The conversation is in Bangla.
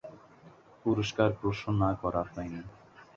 পুরস্কার ঘোষণা করা হয়নি।